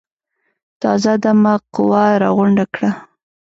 تازه دمه قوه راغونډه کړه.